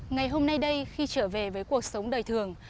ngày hôm nay đây khi trở về với cuộc sống đời thường